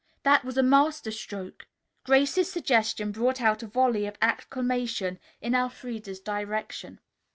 That was a master stroke." Grace's suggestion brought out a volley of acclamation in Elfreda's direction.